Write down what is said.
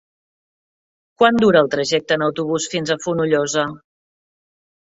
Quant dura el trajecte en autobús fins a Fonollosa?